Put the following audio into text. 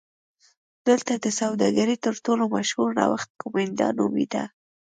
دلته د سوداګرۍ تر ټولو مشهور نوښت کومېنډا نومېده